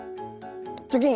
チョキン！